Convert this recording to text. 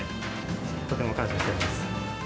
とても感謝してます。